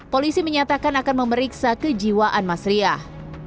polisi menyatakan akan memeriksa kejiwaan mas riah